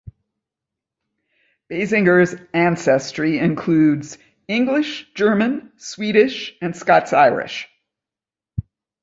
Basinger's ancestry includes English, German, Swedish, and Scots-Irish.